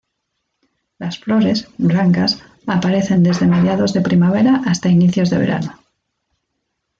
Las flores, blancas, aparecen desde mediados de primavera hasta inicios de verano.